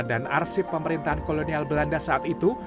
dan arsip pemerintahan kolonial belanda saat itu